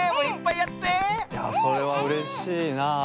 いやそれはうれしいな。